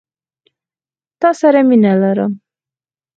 تا سره مينه لرم.